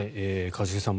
一茂さん